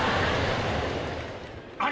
あれ？